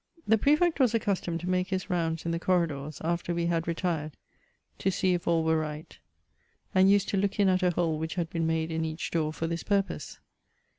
The Prefect was accustomed to make his rounds in the t»rridors, after we had retired, to see if all were right, and used to look in at a hole which had been made in each door for this purpose.